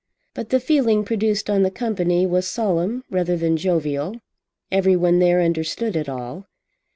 But the feeling produced on the company was solemn rather than jovial. Everyone there understood it all.